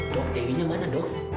dok dewinya mana dok